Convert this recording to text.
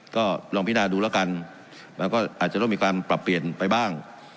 ก็ลองพินาดูแล้วกันมันก็อาจจะต้องมีการปรับเปลี่ยนไปบ้าง